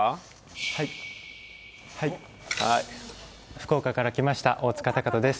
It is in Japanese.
福岡から来ました、大塚天翔です。